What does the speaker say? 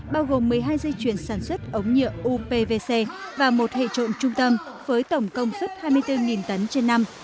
bao gồm một mươi hai dây chuyển sản xuất ống nhựa upvc và một hệ trộm trung tâm với tổng công suất hai mươi bốn tấn trên năm